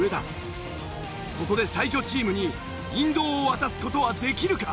ここで才女チームに引導を渡す事はできるか？